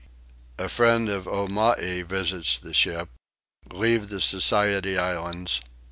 A Friend of Omai visits the Ship. Leave the Society Islands.